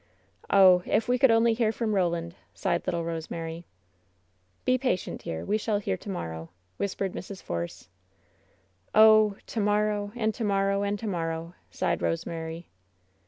"Oh, if we could only hear from Roland!" sighed lit tle Rosemary. "Be patient, dear. We shall hear to morrow," whim pered Mrs. Force. "Oh! *To morrow, and to morrow, and to morrow!'" sighed Rosemary.